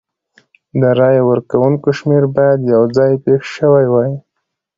د رای ورکوونکو شمېر باید یو ځای پېښ شوي وای.